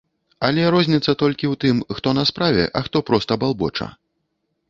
Але розніца толькі ў тым, хто на справе, а хто проста балбоча.